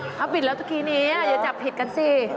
ถ้าปิดละทุกครีนี้อย่าจับผิดกันสิ